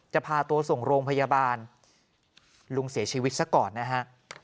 พาตัวส่งโรงพยาบาลลุงเสียชีวิตซะก่อนนะฮะ